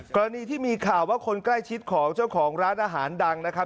กรณีที่มีข่าวว่าคนใกล้ชิดของเจ้าของร้านอาหารดังนะครับ